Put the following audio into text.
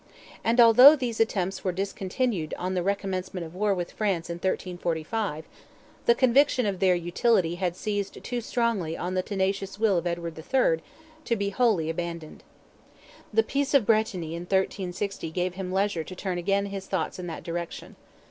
And although these attempts were discontinued on the recommencement of war with France in 1345, the conviction of their utility had seized too strongly on the tenacious will of Edward III. to be wholly abandoned. The peace of Bretigni in 1360 gave him leisure to turn again his thoughts in that direction.